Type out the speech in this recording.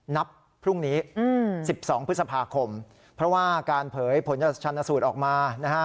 นับพรุ่งนี้๑๒พฤษภาคมเพราะว่าการเผยผลชันสูตรออกมานะฮะ